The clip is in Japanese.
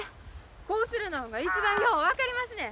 こうするのんが一番よう分かりますねん。